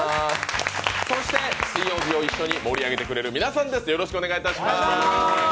水曜日を一緒に盛り上げてくれる皆さんです。